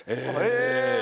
へえ！